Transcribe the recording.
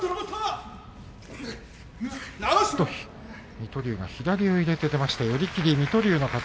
水戸龍が左を入れて出まして寄り切り、水戸龍の勝ち。